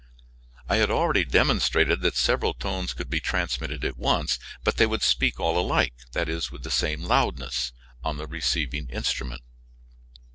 I had already demonstrated that several tones could be transmitted at once, but they would speak all alike (with the same loudness) on the receiving instrument.